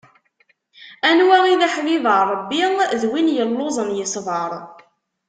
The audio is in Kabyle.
Anwa i d aḥbib n Ṛebbi, d win yelluẓen yesbeṛ.